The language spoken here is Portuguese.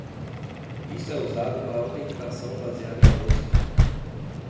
Isso é usado para autenticação baseada em host.